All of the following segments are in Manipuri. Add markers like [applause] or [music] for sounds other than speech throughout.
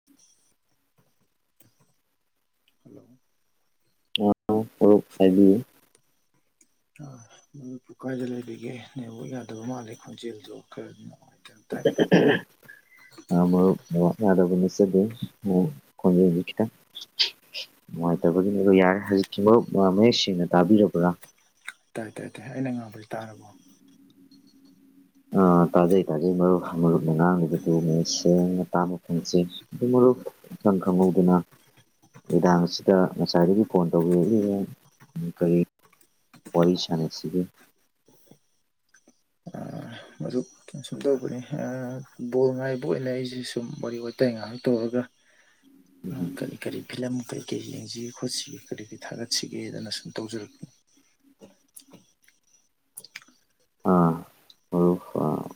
[inaudible] ꯍꯜꯂꯣ ꯃꯔꯨꯞ ꯍꯥꯏꯕꯤꯌꯨ ꯑꯥ ꯃꯔꯨꯞꯄꯨ ꯀꯥꯏꯗ ꯂꯩꯕꯤꯒꯦ ꯅꯦꯠꯋꯥꯛ ꯌꯥꯗꯕ ꯃꯥꯜꯂꯦ ꯈꯣꯟꯖꯦꯜꯗꯣ ꯈꯔꯗꯤ ꯅꯨꯡꯉꯥꯏ [unintelligible] ꯑꯥ ꯃꯔꯨꯞ ꯅꯦꯠꯋꯥꯛ ꯌꯥꯗꯕ ꯅꯠꯆꯥꯗꯦ ꯈꯣꯟꯖꯦꯜ ꯖꯦ ꯈꯤꯇꯪ [inaudible] ꯅꯨꯡꯉꯥꯏꯇꯕꯒꯤꯅꯤ ꯑꯗꯣ ꯌꯥꯔꯦ ꯍꯧꯖꯤꯛꯇꯤ ꯃꯔꯨꯞ ꯃꯌꯦꯛ ꯁꯦꯡꯅ ꯇꯥꯕꯤꯔꯕ꯭ꯔꯥ ꯇꯥꯏ ꯇꯥꯏ ꯇꯥꯏ ꯑꯩꯅ ꯉꯥꯡꯕꯗꯤ ꯇꯥꯔꯕꯣ ꯑꯥ ꯇꯥꯖꯩ ꯇꯥꯖꯩ ꯃꯔꯨꯞ ꯃꯔꯨꯞꯅ ꯉꯥꯡꯉꯤꯕꯗꯨ ꯃꯌꯦꯛ ꯁꯦꯡꯅ ꯇꯥꯕ ꯐꯪꯖꯩ ꯑꯗꯨ ꯃꯔꯨꯞ ꯏꯈꯪꯡ ꯈꯪꯍꯧꯗꯅ ꯅꯨꯃꯤꯗꯥꯡ ꯑꯁꯤꯗ ꯉꯁꯥꯏꯗꯒꯤ ꯐꯣꯟ ꯇꯧꯕꯤꯔꯛꯂꯤꯅ ꯀꯔꯤ ꯋꯥꯔꯤ ꯁꯅꯥꯁꯤꯒꯦ ꯀꯩꯅ ꯁꯨꯝ ꯇꯧꯕꯅꯤ ꯑꯥ ꯕꯣꯜ ꯉꯥꯏꯕ ꯑꯣꯏꯅ ꯑꯩꯁꯦ ꯁꯨꯝ ꯋꯥꯔꯤ ꯋꯥꯇꯥꯏ ꯉꯥꯏꯍꯥꯛ ꯇꯧꯔꯒ [inaudible] ꯀꯔꯤ ꯀꯔꯤ ꯐꯤꯂꯝ ꯀꯔꯤ ꯀꯔꯤ ꯌꯦꯡꯁꯤꯒꯦ ꯈꯣꯠꯁꯤꯒꯦ ꯀꯔꯤ ꯀꯔꯤ ꯊꯥꯒꯠꯁꯤꯒꯦꯗꯅ ꯁꯨꯝ ꯇꯧꯖꯔꯛꯄꯅꯤ ꯑꯥ ꯃꯔꯨꯞ ꯑꯥ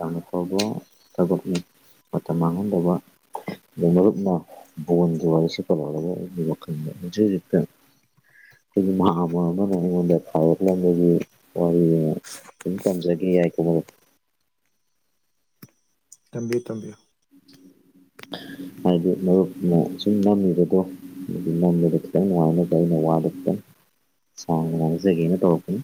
ꯌꯥꯝ ꯑꯐꯕ ꯊꯕꯛꯅꯤ ꯃꯇꯝ ꯃꯥꯡꯍꯟꯗꯕ ꯃꯔꯨꯞꯅ ꯕꯣꯜꯒꯤ ꯋꯥꯔꯤꯁꯤ ꯀꯃꯥꯏꯅ [unintelligible] ꯋꯥꯈꯜꯗ ꯍꯧꯖꯤꯛ ꯍꯧꯖꯤꯛ ꯇꯥ ꯑꯩꯒꯤ ꯃꯥꯝꯃ ꯑꯃꯅ ꯑꯩꯉꯣꯟꯗ ꯁꯥꯎꯔꯛꯂꯝꯕꯒꯤ ꯋꯥꯔꯤꯅꯦ ꯑꯗꯨꯝ ꯇꯝꯖꯒꯦ ꯌꯥꯏꯀꯣ ꯃꯔꯨꯞ ꯇꯝꯕꯤꯌꯨ ꯇꯝꯕꯤꯌꯨ ꯍꯥꯏꯗꯤ ꯃꯔꯨꯞꯅ ꯁꯨꯝ ꯅꯝꯃꯤꯕꯗꯣ ꯇ ꯋꯥꯅ ꯆꯅ ꯋꯥꯇ ꯁꯩꯅ ꯇꯧꯔꯀꯅꯤ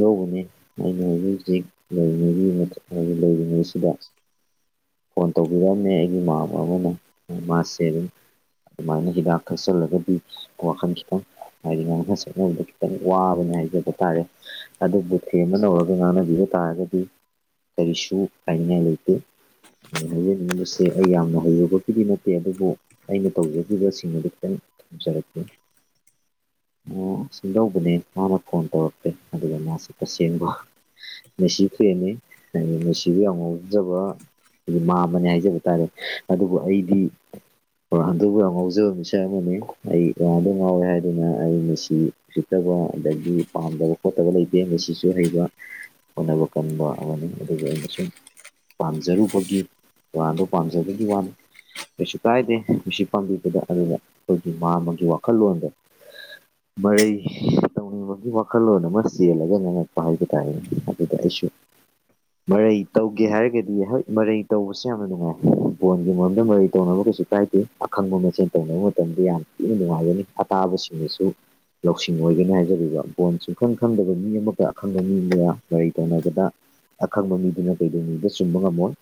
ꯂꯧꯕꯅꯤ ꯑꯩꯅ ꯍꯧꯖꯤꯛ ꯍꯧꯖꯤꯛ ꯂꯩꯔꯤꯉꯩꯒꯤ ꯂꯩꯔꯤꯉꯩꯁꯤꯗ ꯐꯣꯟ ꯇꯧꯕꯤꯔꯛꯑꯝꯅꯦ ꯑꯩꯒꯤ ꯃꯃꯥꯕ ꯑꯃꯅ ꯃꯥꯁꯦ ꯑꯗꯨꯝ ꯑꯗꯨꯃꯥꯏꯅ ꯍꯤꯗꯥꯛ ꯀꯛꯆꯜꯂꯒꯗꯤ ꯋꯥꯈꯜ ꯈꯤꯇꯪ ꯍꯥꯏꯗꯤ ꯉꯁꯉꯕꯗ ꯈꯤꯇꯪ ꯋꯥꯕꯅꯦ ꯍꯥꯏꯖꯕ ꯇꯥꯔꯦ ꯑꯗꯨꯕꯨ ꯁꯦꯝꯦꯝꯕ ꯅꯧꯔꯒ ꯉꯥꯡꯅꯕꯤꯕ ꯇꯥꯔꯒꯗꯤ ꯀꯔꯤꯁꯨ ꯍꯥꯏꯉꯥꯏ ꯂꯩꯇꯦ ꯑꯩꯅ ꯍꯥꯏꯖꯅꯤꯡꯉꯤꯕꯁꯦ ꯑꯩ ꯌꯥꯝꯅ ꯍꯩꯔꯨꯕꯒꯤꯗꯤ ꯅꯠꯇꯦ ꯑꯗꯨꯕꯨ ꯑꯩꯅ ꯇꯧꯖꯈꯤꯕꯁꯤꯡ ꯑꯗꯨꯇꯪ ꯖꯔꯀꯦ ꯑꯣ ꯁꯤꯡꯗꯧꯕꯅꯦ ꯃꯥꯅ ꯐꯣꯟ ꯇꯧꯔꯛꯇꯦ ꯑꯗꯨꯒ ꯃꯥꯁꯤ ꯇꯁꯦꯡꯕ ꯉꯦꯁꯤ ꯀꯨꯔꯅꯤ ꯍꯥꯏꯗꯤ ꯃꯦꯁꯤꯗ ꯌꯥꯝ ꯉꯧꯖꯕ ꯍꯥꯏ ꯃꯥ ꯑꯃꯅꯦ ꯍꯥꯏꯖꯕ ꯇꯥꯔꯦ ꯑꯗꯨꯕꯨ ꯑꯩꯗꯤ ꯑꯣ ꯑꯗꯨ ꯑꯗꯨꯕꯨ ꯌꯥꯝ ꯉꯥꯎꯖꯕ ꯃꯤꯁꯛ ꯑꯃꯅꯤ ꯑꯩ ꯑꯣꯥꯗ ꯉꯥꯎꯋꯦ ꯍꯥꯏꯗꯨꯅ ꯑꯩ ꯉꯁꯤ ꯆꯠꯇꯕ ꯑꯗꯒꯤ ꯄꯥꯝꯗꯕ ꯈꯣꯠꯇꯕ ꯂꯩꯇꯦ ꯃꯁꯤꯁꯤꯁꯨ ꯍꯩꯕ ꯍꯣꯠꯅꯕ ꯀꯟꯕ ꯑꯃꯅꯤ ꯑꯗꯨꯒ ꯑꯩꯅ ꯁꯨꯝ ꯄꯥꯝꯖꯔꯨꯕꯒꯤ ꯇꯔꯥꯟꯗꯣ ꯄꯥꯝꯖꯕꯒꯤ ꯋꯥꯅꯤ ꯀꯩꯁꯨ ꯀꯥꯏꯗꯦ ꯃꯁꯤꯁꯤ ꯄꯥꯝꯕꯤꯕꯗ ꯑꯗꯨꯒ ꯑꯩꯈꯣꯏꯒꯤ ꯃꯥꯃꯒꯤ ꯋꯥꯈꯜꯂꯣꯟꯗ ꯃꯔꯩ ꯇꯧꯅꯤꯡꯕꯒꯤ ꯋꯥꯈꯜꯂꯣꯟ ꯑꯃ ꯆꯦꯜꯂꯒ ꯉꯥꯡꯉꯛꯄ ꯍꯥꯏꯕ ꯇꯥꯔꯦꯅꯦ ꯑꯗꯨꯗ ꯑꯩꯁꯨ ꯃꯔꯩ ꯇꯧꯒꯦ ꯍꯥꯏꯔꯒꯗꯤ ꯍꯣꯏ ꯃꯔꯩ ꯇꯧꯕꯁꯦ ꯌꯥꯝꯅ ꯅꯨꯡꯉꯥꯏ ꯐꯣꯟꯒꯤ ꯃꯔꯝꯗ ꯃꯔꯩ ꯇꯧꯅꯕ ꯀꯩꯁꯨ ꯀꯥꯏꯗꯦ ꯑꯈꯪꯕ ꯃꯆꯦꯟ ꯇꯧꯅꯕ ꯃꯇꯝꯗ ꯌꯥꯝ ꯊꯤꯅ ꯅꯨꯡꯉꯥꯏꯒꯅꯤ ꯑꯇꯥꯕꯁꯤꯡꯅꯁꯨ ꯂꯧꯁꯤꯡ ꯑꯣꯏꯒꯅꯤ ꯍꯥꯏꯖꯔꯤꯕ ꯕꯣꯟꯁ ꯏꯈꯪ ꯈꯪꯗꯕ ꯃꯤ ꯑꯃꯈ ꯑꯈꯪꯕ ꯃꯤ ꯃꯌꯥ ꯀꯔꯤ ꯇꯧꯅꯕꯗ ꯑꯈꯪꯕ ꯃꯤꯗꯨꯅ ꯀꯩꯗꯧꯉꯗ ꯆꯨꯝꯕ ꯉꯝꯃꯣꯏ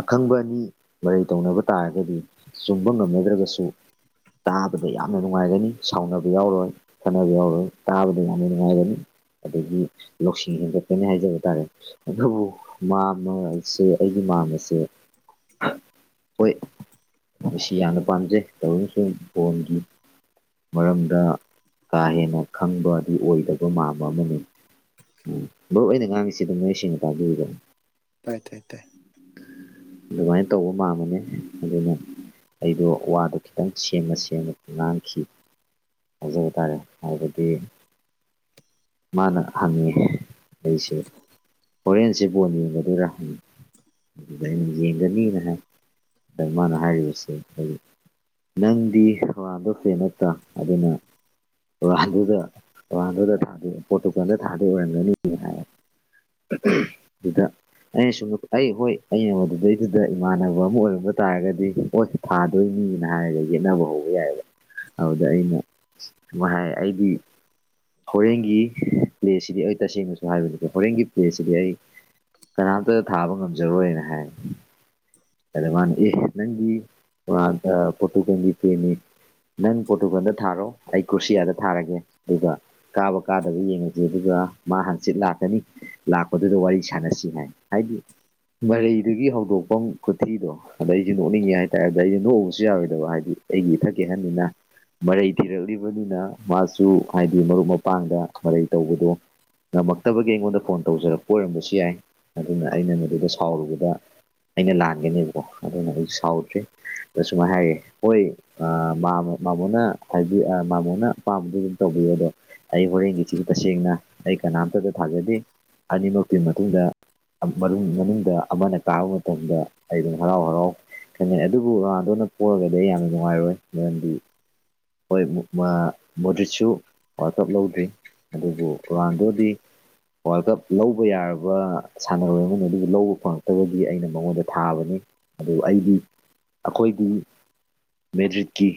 ꯑꯈꯪꯕ ꯑꯅꯤ ꯃꯔꯩ ꯇꯧꯅꯕ ꯇꯥꯔꯒꯗꯤ ꯆꯨꯝꯕ ꯉꯝꯅꯗ꯭ꯔꯒꯁꯨ ꯇꯥꯕꯗ ꯌꯥꯝꯅ ꯅꯨꯡꯉꯥꯏꯒꯅꯤ ꯁꯥꯎꯅꯕ ꯌꯥꯎꯔꯣꯏ ꯈꯠꯅꯕ ꯌꯥꯎꯔꯣꯏ ꯇꯥꯕꯗ ꯌꯥꯝꯅ ꯅꯨꯡꯉꯥꯏꯔꯅꯤ ꯑꯗꯒꯤ ꯂꯧꯁꯤꯡ ꯑꯦꯟꯇꯔꯇꯦꯟꯃꯦꯟ ꯍꯥꯏꯖꯕ ꯇꯥꯔꯦ ꯑꯗꯨꯕꯨ ꯃꯥꯃꯁꯦ ꯑꯩꯒꯤ ꯃꯥ ꯍꯣꯏ ꯃꯁꯤ ꯌꯥꯝꯅ ꯄꯥꯝꯖꯩ ꯇꯧꯔꯅ ꯑꯃꯁꯨꯡ ꯕꯣꯟꯒꯤ ꯃꯔꯝꯗ ꯀꯥ ꯍꯦꯟꯅ ꯈꯪꯕ ꯑꯗꯨ ꯑꯣꯏꯗꯕ ꯃꯝꯕ ꯑꯃꯅꯤ ꯎꯝ ꯃꯔꯨ ꯑꯣꯏꯅ ꯉꯥꯡꯉꯤꯁꯤꯗ ꯅꯣꯏ ꯁꯦꯡꯅ ꯇꯥꯕꯤꯗꯅꯅꯤ ꯇꯥꯏ ꯇꯥꯏ ꯇꯥꯏ ꯑꯗꯨꯃꯥꯏꯅ ꯇꯧꯕ ꯃꯥꯃꯅꯦ ꯑꯗꯨꯅ ꯑꯩꯗꯣ ꯋꯥꯗꯣ ꯈꯤꯇꯪ ꯁꯦꯝꯅ ꯁꯦꯝꯅ ꯉꯥꯡꯈꯤ ꯍꯥꯏꯖꯕ ꯇꯥꯔꯦ ꯍꯥꯏꯕꯗꯤ ꯃꯥꯅ ꯍꯪꯉꯦ ꯑꯩꯁꯦ ꯍꯣꯔꯦꯟꯁꯦ ꯕꯣꯟ ꯌꯦꯡꯒꯗꯣꯏꯔꯥ ꯍꯪꯉꯤ ꯗꯥꯅ ꯌꯦꯡꯒꯅꯤꯅ ꯍꯥꯏ ꯔꯃꯅ ꯍꯥꯏꯔꯤꯕꯁꯦ ꯑꯩꯛ ꯅꯪꯗꯤ ꯍꯔꯥꯟꯕꯣ ꯐ꯭ꯔꯦ ꯅꯠꯇ ꯑꯗꯨꯅ ꯇꯨꯔꯥꯟꯗꯨꯗ ꯇꯣꯍꯥꯟꯗꯨꯗ ꯊꯥꯗ ꯄꯣꯇꯨꯀꯜꯗ ꯊꯥꯗ ꯑꯣꯏꯔꯝꯒꯅꯤ ꯍꯥꯏ ꯁꯤꯗ ꯑꯩꯅ ꯁꯨꯝ ꯑꯩ ꯍꯣꯏ ꯑꯩꯅ ꯃꯗꯨꯗꯩꯗꯨꯗ ꯏꯃꯥꯟꯅꯕ ꯑꯃ ꯑꯣꯏꯔꯝꯕ ꯇꯥꯔꯒꯗꯤ ꯍꯣꯏ ꯊꯥꯗꯣꯏꯅꯤꯅ ꯍꯥꯏꯔꯒ ꯌꯦꯠꯅꯕ ꯍꯧꯕ ꯌꯥꯏꯑꯕ ꯑꯗꯨꯗ ꯑꯩꯅ ꯍꯥꯏ ꯑꯩꯗꯤ ꯍꯣꯔꯦꯟ ꯑꯩꯒꯤ ꯄ꯭ꯂꯦꯁꯤꯗꯤ ꯑꯩ ꯇꯁꯦꯡꯅꯁꯨ ꯍꯥꯏꯕꯅꯤꯀꯣ ꯍꯣꯔꯦꯟꯒꯤ ꯄ꯭ꯂꯦꯁꯤꯗꯤ ꯑꯩ ꯀꯅꯥꯝꯇ ꯊꯥꯕ ꯉꯝꯖꯔꯣꯏꯅ ꯍꯥꯏ ꯀꯗꯃ ꯅꯪꯒꯤꯗ ꯐꯣꯇꯣ ꯀ ꯐꯅꯤ ꯅꯪ ꯄꯣꯔꯇꯨꯒꯜꯗ ꯊꯥꯔꯣ ꯑꯩ ꯀ꯭ꯔꯣꯁꯤꯌꯥꯗ ꯊꯥꯔꯒꯦ ꯑꯗꯨꯒ ꯀꯥꯕ ꯀꯥꯗꯕ ꯌꯦꯡꯉꯁꯤ ꯑꯗꯨꯒ ꯃꯥ ꯍꯪꯆꯤꯠ ꯂꯥꯛꯀꯅꯤ ꯂꯥꯛꯄꯗꯨꯗ ꯋꯥꯔꯤ ꯁꯥꯟꯅꯁꯤ ꯍꯥꯏ ꯍꯥꯏꯗꯤ ꯃꯔꯩꯗꯨꯗꯒꯤ ꯍꯧꯗꯣꯛꯐꯝ ꯈꯨꯊꯤꯗꯣ ꯑꯗ ꯑꯩꯁꯨ ꯅꯣꯛꯅꯤꯡꯉꯦ ꯍꯥꯏꯇꯥꯔꯦ ꯑꯗꯨꯗ ꯑꯩꯁꯨ ꯅꯣꯛꯎꯕꯁꯨ ꯌꯥꯔꯣꯏꯗꯕ ꯍꯥꯏꯗꯤ ꯑꯩꯒꯤ ꯏꯊꯛꯀꯤ ꯑꯍꯟꯅꯤꯅ ꯃꯔꯩ ꯊꯤꯔꯛꯂꯤꯕꯅꯤꯅ ꯃꯥꯁꯨ ꯍꯥꯏꯗꯤ ꯃꯔꯨꯞ ꯃꯄꯥꯡꯗ ꯃꯔꯩ ꯇꯧꯕꯗꯣ ꯉꯝꯃꯛꯇꯕꯒꯤ ꯑꯩꯉꯣꯟꯗ ꯐꯣꯟ ꯇꯧꯖꯔꯛꯄ ꯑꯣꯏꯔꯝꯕꯁꯨ ꯌꯥꯏ ꯑꯗꯨꯅ ꯑꯩꯅ ꯃꯗꯨꯗ ꯁꯥꯎꯔꯨꯕꯗ ꯑꯩꯅ ꯂꯥꯟꯒꯅꯦꯕꯀꯣ ꯑꯗꯨꯅ ꯑꯩ ꯁꯥꯎꯗ꯭ꯔꯦ ꯑꯗ ꯁꯁꯨꯃꯥꯏꯅ ꯍꯥꯏꯔꯦ ꯍꯣꯏ ꯑꯥ ꯃꯥ ꯃꯣꯕꯣꯅ ꯉꯁꯥꯢꯒꯤ ꯃꯥꯕꯣꯅ ꯑꯄꯥꯝꯕꯗꯨ ꯑꯗꯨꯝ ꯇꯧꯕꯤꯌꯨ ꯑꯗꯣ ꯑꯩ ꯍꯣꯔꯦꯟꯒꯤꯁꯤ ꯇꯁꯦꯡꯅ ꯑꯩ ꯀꯅꯥꯝꯇꯗ ꯊꯥꯖꯦ ꯑꯅꯤꯃꯀꯤ ꯃꯇꯨꯡꯗ ꯃꯅꯨꯡꯗ ꯑꯃꯅ ꯀꯥꯕ ꯃꯇꯝꯗ ꯑꯩ ꯑꯗꯨꯝ ꯍꯔꯥꯎ ꯍꯔꯥꯎ ꯈꯪꯉꯦ ꯑꯗꯨꯕꯨ ꯔꯣꯅꯥꯗꯣꯅ ꯄꯣꯔꯒꯗꯤ ꯑꯩ ꯌꯥꯝꯅ ꯅꯨꯡꯉꯥꯏꯔꯣꯏ ꯃꯔꯝꯗꯤ ꯍꯣꯏ ꯃꯥ ꯃꯨꯗꯤꯠꯁꯨ ꯋꯥꯔ꯭ꯜ ꯀꯞ ꯂꯧꯗꯦ ꯑꯗꯨꯕꯨ ꯔꯥꯅꯥꯗꯣꯗꯤ ꯋꯥꯔꯜ ꯀꯞ ꯂꯧꯕ ꯌꯥꯔꯕ ꯁꯥꯟꯅꯔꯣꯏ ꯑꯃꯅꯤ ꯑꯗꯨꯕꯨ ꯂꯧꯕ ꯐꯪꯂꯉꯛꯇꯕꯒꯤ ꯑꯩꯅ ꯃꯉꯣꯟꯗ ꯊꯥꯕꯅꯤ ꯑꯗꯨ ꯑꯩꯗꯤ ꯅꯈꯣꯏꯗꯤ ꯃꯦꯗ꯭ꯔꯤꯠꯀꯤ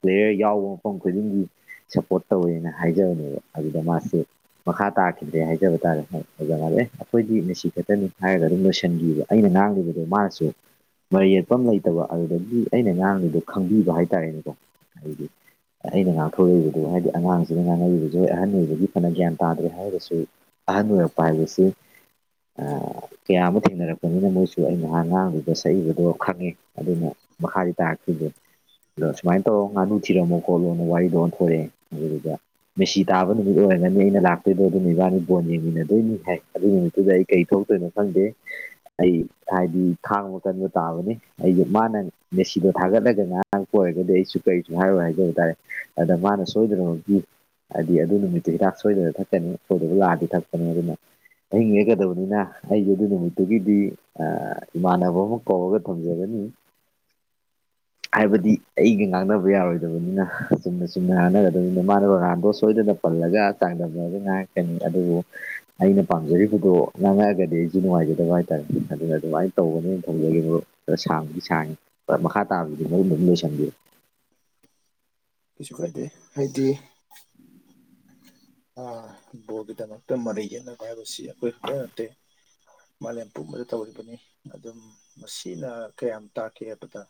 ꯄ꯭ꯂꯦꯌꯔ ꯌꯥꯎꯕ ꯃꯐꯝ ꯈꯨꯗꯤꯡꯒꯤ ꯁꯞꯄꯣꯔꯠ ꯇꯧꯋꯦꯅ ꯍꯥꯏꯖꯕꯅꯦꯕ ꯑꯗꯨꯗ ꯃꯥꯁꯦ ꯃꯈꯥ ꯇꯥꯈꯤꯗ꯭ꯔꯦ ꯍꯥꯏꯖꯕ ꯇꯥꯔꯦ ꯑꯣꯖꯥꯅ ꯑꯦ ꯑꯩꯈꯣꯏꯗꯤ ꯉꯁꯤ ꯈꯛꯇꯅꯤ ꯍꯥꯏꯔꯒ ꯑꯗꯨꯝ ꯂꯣꯏꯁꯤꯟꯈꯤꯕ ꯑꯩꯅ ꯉꯥꯡꯗ ꯃꯥꯁꯨ ꯃꯔꯩ ꯌꯦꯠꯄ ꯑꯃ ꯂꯩꯇꯕ ꯑꯗꯨꯗꯒꯤ ꯑꯩꯅ ꯑꯉꯥꯡꯗꯨꯗꯣ ꯈꯪꯕꯤꯕ ꯍꯥꯏꯇꯥꯔꯦꯅꯦꯀꯣ ꯑꯗꯨꯒꯤ ꯑꯩꯅ ꯉꯥꯡꯊꯣꯔꯛꯏꯕꯗꯨꯣ ꯍꯥꯏꯗꯤ ꯑꯉꯥꯡꯁꯤꯅ ꯉꯥꯡꯉꯛꯏꯕꯁꯨ ꯑꯍꯟ ꯑꯣꯏꯕꯗꯒꯤ ꯐꯅ ꯒ꯭ꯌꯥꯟ ꯇꯥꯗ꯭ꯔꯦ ꯍꯥꯏꯔꯒꯁꯨ ꯑꯍꯟ ꯑꯣꯏꯔꯛꯄ ꯍꯥꯏꯕꯁꯤ ꯀꯌꯥ ꯑꯃ ꯊꯦꯡꯅꯔꯛꯄꯅꯤꯅ ꯃꯣꯏ ꯑꯗꯨ ꯑꯩꯅ ꯑꯉꯥꯡꯗꯨꯗ ꯁꯛꯏꯕꯗꯣ ꯈꯪꯉꯦ ꯑꯗꯨꯅ ꯃꯈꯥꯗꯤ ꯇꯥꯔꯈꯤꯗꯦ ꯑꯗꯣ ꯁꯨꯃꯥꯏꯅ ꯇꯧꯔꯣ ꯉꯥꯅꯨ ꯊꯤꯔꯝꯃꯣꯀꯣꯜ ꯂꯣꯟꯅ ꯋꯥꯔꯤꯗꯣ ꯑꯣꯟꯊꯣꯔꯛꯑꯦ ꯑꯗꯨꯗꯨꯒ ꯃꯦꯁꯤ ꯇꯥꯕ ꯅꯨꯃꯤꯠ ꯑꯣꯏꯔꯝꯒꯅꯤ ꯑꯩꯅ ꯂꯥꯛ ꯑꯗꯨꯗ ꯑꯗꯨꯝ ꯏꯕꯥꯅꯤ ꯕꯣꯟ ꯌꯦꯡꯃꯤꯟꯅꯗꯣꯏꯅꯤ ꯍꯥꯏ ꯑꯗꯨꯒꯤ ꯅꯨꯃꯤꯠꯇꯨꯗ ꯑꯩ ꯀꯔꯤ ꯊꯣꯛꯇꯣꯏꯅꯣ ꯈꯪꯗꯦ ꯑꯩ ꯍꯥꯏꯗꯤ ꯈꯥꯡꯕ ꯀꯟꯕ ꯇꯥꯕꯅꯤ ꯑꯩꯗꯣ ꯃꯥꯅ ꯃꯦꯁꯤꯗꯣ ꯊꯥꯒꯠꯂꯒ ꯉꯔꯥꯡ ꯄ ꯑꯣꯏꯔꯒꯗꯤ ꯑꯩꯁꯨ ꯀꯔꯤꯁꯨ ꯍꯥꯏꯔꯣꯏ ꯍꯥꯏꯖꯕ ꯇꯥꯔꯦ ꯑꯗ ꯃꯥꯅ ꯁꯣꯏꯗꯅꯃꯛꯀꯤ ꯍꯥꯏꯗꯤ ꯑꯗꯨ ꯅꯨꯃꯤꯠꯇꯨ ꯍꯤꯗꯥꯛ ꯁꯣꯏꯗꯅ ꯊꯛꯀꯅꯤ ꯁꯣꯏꯗꯕ ꯂꯥꯛꯑꯗꯤ ꯊꯛꯄꯅꯤ ꯑꯗꯨꯅ ꯑꯍꯤꯡ ꯂꯦꯛꯀꯗꯕꯅꯤꯅ ꯑꯩꯁꯨ ꯑꯗꯨ ꯅꯨꯃꯤꯠꯇꯨꯒꯤꯗꯤ ꯏꯃꯥꯟꯅꯕ ꯑꯃ ꯀꯧꯔꯒ ꯊꯝꯖꯒꯅꯤ ꯍꯥꯏꯕꯗꯤ ꯑꯩꯒ ꯉꯥꯡꯅꯕ ꯌꯥꯔꯣꯏꯗꯕꯅꯤꯅ ꯆꯨꯝꯅ ꯆꯨꯝꯅꯥꯟꯅꯒꯗꯕꯗꯨꯅꯤ ꯃꯥꯅ ꯔꯣꯅꯥꯟꯗꯣ ꯁꯣꯏꯗꯅ ꯄꯜꯂꯒ ꯆꯥꯡꯗꯝꯅꯕꯒ ꯉꯥꯡꯀꯅꯤ ꯑꯗꯨꯕꯨ ꯑꯩꯅ ꯄꯥꯝꯖꯔꯤꯕꯗꯣ ꯉꯥꯡꯉꯛꯑꯒꯗꯤ ꯑꯩꯁꯨ ꯅꯨꯡꯉꯥꯏꯖꯗꯕ ꯍꯥꯏꯇꯥꯔꯦꯅꯦ ꯑꯗꯨꯅ ꯑꯗꯨꯃꯥꯏꯅ ꯇꯧꯕꯅꯤ ꯊꯝꯖꯒꯦ ꯃꯔꯨꯞ ꯈꯔ ꯁꯥꯡꯕꯨꯗꯤ ꯁꯥꯡꯉꯦ ꯈꯔ ꯃꯈꯥ ꯇꯥꯕꯗꯨ ꯃꯔꯨꯞꯅ ꯑꯗꯨꯝ ꯂꯣꯏꯁꯤꯟꯕꯤꯌꯨ ꯀꯩꯁꯨ ꯀꯥꯏꯗꯦ ꯍꯥꯏꯗꯤ ꯑ ꯕꯣꯜꯒꯤꯗꯃꯛꯇ ꯃꯔꯩ ꯌꯦꯠꯅꯕ ꯍꯥꯢꯕꯁꯤ ꯑꯈꯣꯏ ꯈꯛꯇ ꯅꯠꯇꯦ ꯃꯥꯂꯦꯝ ꯄꯨꯝꯕꯗ ꯇꯧꯔꯤꯕꯅꯤ ꯑꯗꯨꯝ ꯃꯁꯤꯅ ꯀꯌꯥꯝ ꯇꯥꯛꯀꯦ ꯍꯥꯏꯕꯗ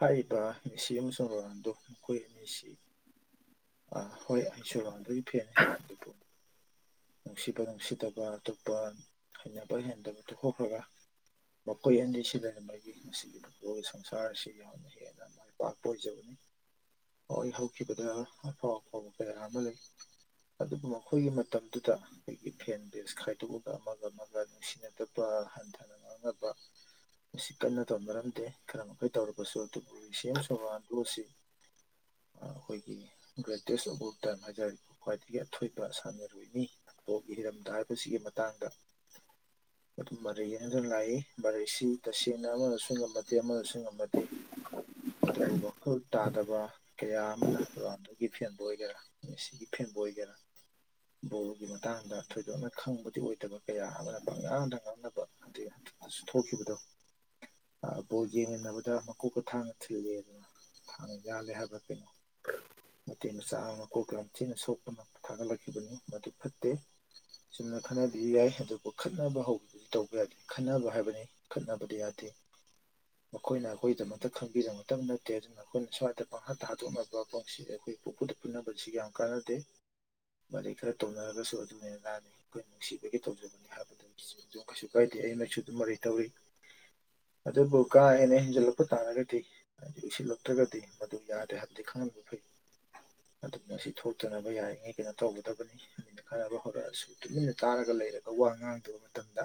ꯍꯥꯏꯔꯤꯕ ꯃꯦꯁꯤ ꯑꯃꯁꯨꯡ ꯔꯣꯅꯥꯜꯗꯣ ꯃꯈꯣꯏ ꯑꯅꯤ ꯑꯁꯤ ꯑꯥ ꯍꯣꯏ ꯑꯩꯁꯨ ꯔꯣꯅꯥꯜꯗꯣꯒꯤ ꯐꯦꯅꯤ ꯑꯗꯨꯕꯨ ꯅꯨꯡꯁꯤꯕ ꯅꯨꯡꯁꯤꯗꯕ ꯑꯇꯣꯞꯄ ꯍꯩꯅꯕ ꯍꯩꯅꯗꯕ ꯇꯣꯛꯊꯣꯛꯈ꯭ꯔꯒ ꯃꯈꯣꯏ ꯑꯅꯤꯁꯤꯗꯅ ꯃꯥꯒꯤ ꯃꯁꯤꯁꯤꯒꯤ ꯄꯨꯣꯏꯒꯤ ꯁꯪꯁꯥꯔꯁꯤ ꯌꯥꯝꯅ ꯍꯦꯟꯅ ꯃꯥꯏ ꯄꯥꯛꯄ ꯑꯣꯏꯖꯕꯅꯤ ꯍꯣꯏ ꯍꯧꯈꯤꯕꯗ ꯑꯐꯥꯎ ꯑꯐꯥꯎꯕ ꯀꯌꯥ ꯑꯃ ꯂꯩ ꯑꯗꯨꯕꯨ ꯃꯈꯣꯏꯒꯤ ꯃꯇꯝꯗꯨꯗ ꯑꯩꯈꯣꯏꯒꯤ ꯐꯦꯟ ꯕꯦꯁ ꯈꯥꯏꯗꯣꯛꯑꯒ ꯑꯃꯒ ꯑꯃꯒ ꯅꯨꯡꯁꯤꯅꯗꯕ ꯍꯟꯊꯅ ꯉꯥꯡꯅꯕ ꯃꯁꯤ ꯀꯟꯅ ꯇꯧꯅꯔꯝꯗꯦ ꯈꯔ ꯃꯈꯩ ꯇꯧꯔꯔꯕꯁꯨ ꯑꯗꯨꯕꯨ ꯃꯦꯁꯤ ꯑꯃꯁꯨꯡ ꯔꯣꯅꯥꯜꯗꯣ ꯑꯁꯤ ꯑꯈꯣꯏꯒꯤ ꯒ꯭ꯔꯦꯇꯦꯁ ꯑꯣꯕꯔ ꯇꯥꯢꯝ ꯍꯥꯏꯇꯥꯔꯗꯤ ꯈ꯭ꯋꯥꯏꯗꯒꯤ ꯑꯊꯣꯏꯕ ꯁꯥꯟꯅꯔꯣꯏꯅꯤ ꯄꯣꯛꯒꯤ ꯍꯤꯔꯝꯗ ꯍꯥꯏꯕꯁꯤꯒꯤ ꯃꯇꯥꯡꯗ ꯑꯗꯨ ꯃꯔꯩ ꯌꯦꯠꯅꯗꯨꯅ ꯂꯥꯛꯏ ꯃꯔꯩꯁꯤ ꯇꯁꯦꯡꯅ ꯑꯃꯅꯁꯨ ꯉꯝꯅꯗꯦ ꯑꯃꯅꯁꯨ ꯉꯝꯅꯗꯦ ꯑꯗꯨꯕꯨ ꯋꯥꯈꯜ ꯇꯥꯗꯕ ꯀꯌꯥ ꯑꯃꯅ ꯒꯤ ꯐꯦꯟꯕ ꯑꯣꯏꯒꯦꯔꯥ ꯁꯤꯒꯤ ꯐꯦꯟꯕ ꯑꯣꯏꯒꯦꯔꯥ ꯕꯣꯣꯔꯒꯤ ꯃꯇꯥꯡꯗ ꯊꯣꯏꯗꯣꯛꯅ ꯈꯪꯕꯗꯤ ꯑꯣꯏꯗꯕ ꯀꯌꯥ ꯑꯃꯛꯄ ꯉꯥꯡꯗ ꯉꯥꯡꯅꯕ ꯑ ꯍꯟꯗꯛꯇꯁꯨ ꯊꯣꯛꯈꯤꯕꯗꯣ ꯕꯣꯠ ꯌꯦꯡꯃꯤꯟꯅꯕꯗ ꯃꯀꯣꯛꯀ ꯊꯥꯡꯅ ꯊꯤꯜꯜꯂꯤ ꯑꯗꯨꯅ ꯊꯥꯡꯅ ꯌꯥꯜꯂꯦ ꯍꯥꯏꯕ꯭ꯔꯥ ꯀꯩꯅꯣ ꯃꯩꯇꯩ ꯃꯆꯥ ꯑꯃ ꯀꯣꯀ ꯂꯝꯊꯤꯅ ꯁꯣꯛꯄ ꯉ ꯊꯥꯒꯠꯂꯛꯈꯤꯕꯅꯤ ꯃꯗꯨ ꯐꯠꯇꯦ ꯁꯨꯝꯅ ꯈꯠꯅꯕꯤꯕ ꯌꯥꯏ ꯑꯗꯨꯕꯨ ꯈꯠꯅꯕ ꯍꯧꯕꯤ ꯇꯧꯕ ꯌꯥꯗꯦ ꯈꯠꯅꯕ ꯍꯥꯏꯕꯅꯤ ꯈꯠꯅꯕꯗꯤ ꯌꯥꯗꯦ ꯃꯈꯣꯏꯅ ꯑꯩꯈꯣꯏꯒꯤꯗꯃꯛꯇ ꯈꯪꯕꯤꯔꯃꯛꯇ ꯅꯠꯇꯦ ꯑꯗꯨꯅ ꯑꯩꯈꯣꯏꯅ ꯁ꯭ꯋꯥꯏꯗ ꯄꯪꯍꯥꯠꯇ ꯍꯥꯗꯣꯛꯅꯕ ꯄꯟꯁꯤ ꯑꯩꯈꯣꯏ ꯄꯨꯄꯨꯗ ꯄꯨꯟꯅꯅꯕꯁꯤ ꯌꯥꯝ ꯀꯥꯟꯅꯗꯦ ꯋꯥꯔꯤꯩ ꯈꯔ ꯇꯧꯅꯔꯒꯁꯨ ꯑꯗꯨꯃꯥꯏꯅ ꯂꯥꯟꯅꯩ ꯑꯩꯈꯣꯏꯅ ꯅꯨꯡꯁꯤꯕꯒꯤ ꯇꯧꯖꯕꯅꯤ ꯍꯥꯏꯕꯗꯨ ꯑꯗꯨꯝ ꯀꯩꯁꯨ ꯀꯥꯏꯗꯦ ꯑꯩꯅꯁꯨ ꯑꯗꯨꯝ ꯃꯔꯩ ꯇꯧꯏ ꯑꯗꯨꯕꯨ ꯀꯥ ꯍꯦꯟꯅ ꯍꯦꯟꯖꯜꯂꯛꯄ ꯇꯥꯔꯒꯗꯤ ꯍꯥꯏ ꯏꯁꯤꯜꯂꯛꯇ꯭ꯔꯒꯗꯤ ꯃꯗꯨ ꯌꯥꯗꯦ ꯍꯥꯏꯕꯗꯤ ꯈꯪꯍꯟꯕ ꯐꯩ ꯑꯗꯨ ꯉꯁꯤ ꯊꯣꯛꯇꯅꯕ ꯌꯥꯔꯤꯉꯩ ꯀꯩꯅꯣ ꯇꯧꯒꯗꯕꯅꯤ ꯑꯗꯨ ꯈꯔꯅꯕ ꯍꯧꯔꯛꯑꯁꯨ ꯇꯨꯃꯤꯟꯅ ꯆꯥꯔꯒ ꯂꯩꯔꯒ ꯋꯥ ꯉꯥꯡꯗꯕ ꯃꯇꯝꯗ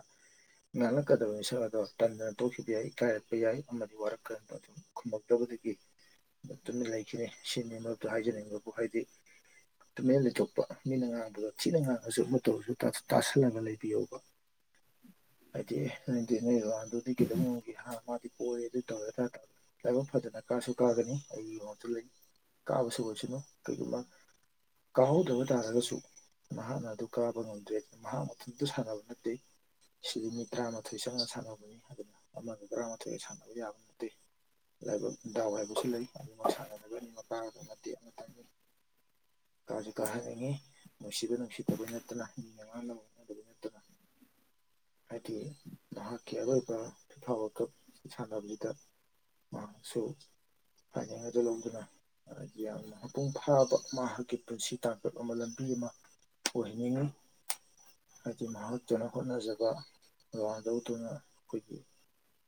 ꯉꯥꯡꯂꯛꯀꯗꯕ ꯃꯤꯁꯛ ꯑꯗꯣ ꯇꯟꯗꯅ ꯊꯣꯛꯈꯤꯕ ꯌꯥꯏ ꯏ ꯀꯥꯏꯔꯛꯄ ꯌꯥꯏ ꯑꯃꯗꯤ ꯋꯥꯔꯛꯀꯗ ꯑꯗꯨ ꯈꯨꯝꯃꯛꯇꯕꯗꯒꯤꯟꯅ ꯂꯩꯈꯤꯅꯤ ꯁꯤꯅꯤ ꯃꯔꯗꯨ ꯍꯥꯏꯖꯅꯤꯡꯕꯕꯨ ꯍꯥꯏꯗꯤ ꯇꯨꯃꯤꯃꯟꯅ ꯂꯩꯇꯣꯛꯄ ꯃꯤꯅ ꯉꯥꯡꯕꯗꯣ ꯊꯤꯅ ꯉꯥꯡꯉꯁꯨ ꯃꯇꯧꯁꯨ ꯇꯥꯁꯜꯂꯒ ꯂꯩꯕꯤꯌꯣꯕ ꯍꯥꯏꯗꯤ ꯅꯗꯤ ꯅꯣꯏ ꯋꯥꯥꯟꯗꯨꯗꯤ ꯀꯩꯗꯧꯒꯦ ꯃꯥꯗꯤ ꯄꯑ ꯑꯗꯨ ꯇꯧꯋꯦ ꯇꯦ ꯇꯥꯏꯕꯛ ꯐꯖꯅ ꯀꯥꯁꯨ ꯀꯥꯒꯅꯤ ꯑꯩ ꯃꯉꯣꯟꯁꯨ ꯂꯩꯅꯤ ꯀꯥꯕꯁꯨ ꯑꯣꯏꯁꯅꯨ ꯀꯩꯒꯨꯝꯕ ꯀꯥꯍꯧꯗꯕ ꯇꯥꯔꯒꯁꯨ ꯃꯍꯥꯛꯅ ꯑꯗꯨ ꯀꯥꯕ ꯉꯝꯗ꯭ꯔꯦ ꯑꯗꯨꯅ ꯃꯍꯥꯛ ꯃꯇꯝꯗꯨ ꯁꯥꯟꯅꯕ ꯅꯠꯇꯦ ꯁꯤꯗꯤ ꯃꯤ ꯇꯔꯥꯃꯥꯊꯣꯏ ꯆꯪꯅ ꯁꯥꯟꯅꯕꯅꯤ ꯑꯗꯨꯅ ꯑꯃꯒ ꯇꯔꯥꯃꯥꯊꯣꯏꯒ ꯁꯥꯟꯅꯕ ꯌꯥꯕ ꯅꯠꯇꯦ ꯂꯥꯏꯕꯛ ꯗꯥꯎ ꯍꯥꯏꯕꯁꯨ ꯂꯩ ꯑꯗꯨꯅꯤꯃꯛ ꯁꯥꯟꯅꯔꯒꯅꯤ ꯃꯄꯥꯒꯗ ꯅꯠꯇꯦ ꯑꯃꯇꯪꯅꯤ ꯀꯖꯤ ꯀꯗꯅꯤ ꯅꯅꯨꯡꯁꯤꯗ ꯅꯅꯨꯡꯁꯤꯗ ꯄꯨꯤꯅꯠꯇꯅꯉꯅ ꯃꯤꯅꯠꯇꯅ ꯍꯥꯏꯗꯤ ꯅꯍꯥꯛꯀꯤ ꯑꯔꯣꯏꯕꯐꯥꯎꯕ ꯀꯞ ꯁꯥꯟꯅꯕꯁꯤꯗ ꯃꯍꯥꯛꯁꯨ ꯍꯥꯏꯅꯤꯡ ꯑꯗꯨ ꯂꯧꯗꯨꯅ ꯌꯥꯝꯅ ꯃꯄꯨꯡ ꯐꯥꯕ ꯃꯍꯥꯛꯀꯤ ꯄꯨꯟꯁꯤ ꯇꯥꯡꯀꯠ ꯑꯃ ꯂꯝꯕꯤ ꯑꯃ ꯑꯣꯏꯍꯟꯅꯤꯡꯢ ꯍꯥꯏꯗꯤ ꯃꯍꯥꯛꯇꯧꯅ ꯍꯣꯠꯅꯖꯕ [unintelligible] ꯗꯨꯅ ꯑꯩꯈꯣꯏꯒꯤ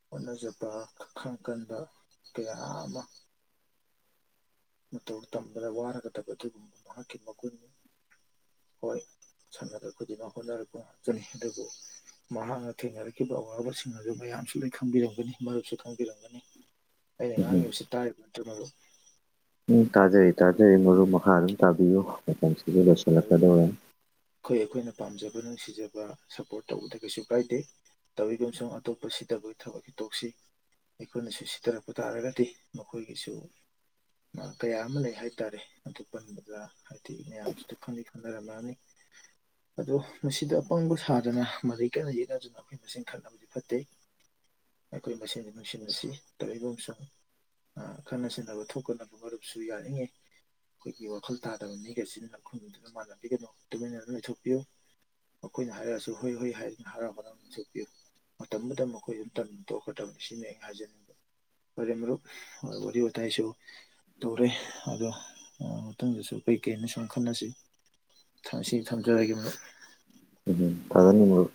ꯍꯣꯠꯅꯖꯕ ꯈꯈꯥꯡ ꯀꯟꯕ ꯀꯌꯥ ꯑꯃ ꯃꯇꯧ ꯇꯝꯕꯗ ꯋꯥꯔꯒꯗꯕ ꯑꯗꯨꯒꯨꯝꯕ ꯃꯍꯥꯛꯀꯤ ꯃꯒꯨꯟꯅꯤ ꯍꯣꯏ ꯁꯥꯟꯅꯔꯣꯏ ꯈꯨꯗꯤꯡꯃꯛ ꯍꯣꯠꯅꯔꯛꯄ ꯉꯥꯛꯇꯅꯤ ꯑꯗꯨꯕꯨ ꯃꯍꯥꯛꯅ ꯊꯦꯡꯅꯔꯛꯈꯤꯕ ꯑꯋꯥꯕꯁꯤꯡ ꯑꯗꯨ ꯃꯌꯥꯝꯁꯨ ꯂꯣꯏ ꯈꯪꯕꯤꯔꯝꯒꯅꯤ ꯃꯔꯨꯞꯁꯨ ꯈꯪꯕꯤꯔꯝꯒꯅꯤ ꯑꯩꯅ ꯎꯝ ꯉꯥꯡꯉꯤꯕꯁꯤ ꯇꯥꯔꯤꯕ ꯅꯠꯇ꯭ꯔꯣ ꯃꯔꯨꯞ ꯎꯝ ꯇꯥꯖꯔꯤ ꯇꯥꯖꯔꯤ ꯃꯔꯨꯞ ꯃꯈꯥ ꯑꯗꯨꯝ ꯇꯥꯕꯤꯌꯨ ꯃꯇꯝꯁꯤꯁꯨ ꯑꯗꯨꯅ ꯂꯣꯏꯁꯤꯜꯂꯛꯀꯗꯧꯔꯦ ꯑꯩꯈꯣꯏ ꯑꯩꯈꯣꯏꯅ ꯄꯥꯝꯖꯕ ꯅꯨꯡꯁꯤꯖꯕ ꯁꯄꯣꯔꯠ ꯇꯧꯕꯗ ꯀꯩꯁꯨ ꯀꯥꯏꯗꯦ ꯇꯧꯏꯒꯨꯝꯁꯨꯡ ꯑꯇꯣꯞꯄ ꯁꯤꯗꯕꯒꯤ ꯊꯕꯛꯇꯤ ꯇꯣꯛꯁꯤ ꯑꯩꯈꯣꯏꯅꯁꯨ ꯁꯤꯊꯔꯛꯄ ꯇꯥꯔꯒꯗꯤ ꯃꯈꯣꯏꯒꯤꯁꯨ ꯑ ꯀꯌꯥ ꯑꯃ ꯂꯩ ꯍꯥꯏꯇꯥꯔꯦ ꯑꯗꯨ ꯄꯟꯕꯗ ꯍꯥꯏꯗꯤ ꯃꯌꯥꯝꯁ [unintelligible] ꯑꯗꯣ ꯃꯁꯤꯗ ꯑꯄꯪꯕ ꯁꯥꯗꯅ ꯃꯔꯩ ꯀꯟꯅ ꯌꯦꯠꯅꯗꯨꯅ ꯑꯩꯈꯣꯏ ꯃꯁꯦꯟ ꯈꯠꯅꯕ ꯐꯠꯇꯦ ꯑꯩꯈꯣꯏ ꯃꯁꯦꯟꯅꯤ ꯅꯨꯡꯁꯤꯅꯁꯤ ꯇꯧꯏꯒꯨꯝꯁꯨꯡ ꯑ ꯈꯠꯅ ꯆꯩꯅꯕ ꯊꯣꯛꯇꯅꯕ ꯃꯔꯨꯞꯁꯨ ꯌꯥꯔꯤꯉꯩ ꯑꯩꯈꯣꯏꯒꯤ ꯋꯥꯈꯜ ꯇꯥꯗꯕ ꯃꯤꯒ ꯆꯤꯟꯅ ꯈꯨꯝꯗꯨꯅ ꯃꯥꯟꯅꯕꯤꯒꯅꯨ ꯇꯨꯃꯤꯟꯅ ꯑꯗꯨꯝ ꯂꯩꯊꯣꯛꯄꯤꯌꯨ ꯃꯈꯣꯏꯅ ꯍꯥꯏꯔꯛꯑꯁꯨ ꯍꯣꯏ ꯍꯣꯏ ꯍꯥꯏꯅ ꯍꯥꯔꯥꯎ ꯍꯔꯥꯎ ꯆꯠꯄꯤꯌꯨ ꯃꯇꯝꯗꯨꯗ ꯃꯈꯣꯏꯁꯨ ꯇꯟ ꯇꯣꯛꯈ꯭ꯔꯗꯕꯅꯤ ꯁꯤꯅꯤ ꯑꯩꯅ ꯍꯥꯏꯖꯅꯤꯡꯕ ꯐꯔꯦ ꯃꯔꯨꯞ ꯋꯥꯔꯤ ꯋꯥꯇꯥꯏꯁꯨ ꯇꯧꯔꯦ ꯑꯗꯣ ꯑ ꯃꯊꯪꯗꯁꯨ ꯀꯩꯀꯩꯩꯅ ꯁꯨꯝ ꯈꯟꯅꯁꯤ ꯊ ꯁꯤ ꯊꯝꯖꯔꯒꯦ ꯃꯔꯨꯞ ꯎꯝ ꯐꯒꯅꯤ ꯃꯔꯨꯞ